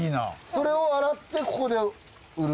それを洗ってここで売る？